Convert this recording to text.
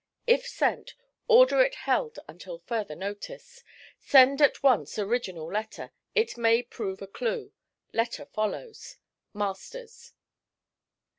If sent, order it held until further notice. Send at once original letter. It may prove a clue. Letter follows. 'MASTERS.'